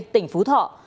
tỉnh phú thọ